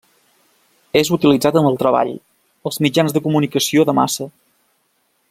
És utilitzat en el treball, els mitjans de comunicació de massa.